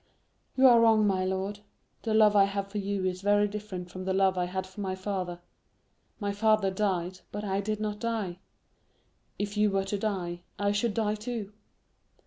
"You are wrong, my lord. The love I have for you is very different from the love I had for my father. My father died, but I did not die. If you were to die, I should die too."